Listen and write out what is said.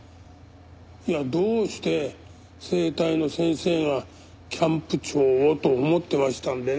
いやどうして整体の先生がキャンプ長をと思ってましたんでね。